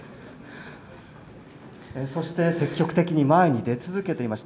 そして積極的に前に出続けていました。